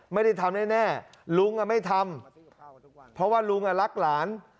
ไม่ได้ทำแน่ลุงไม่ทำเพราะว่าลุงรักหลาน